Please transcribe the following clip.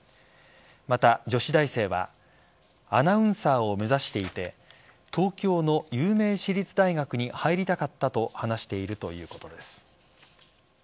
また、女子大生はアナウンサーを目指していて東京の有名私立大学に入りたかったと話しているということです。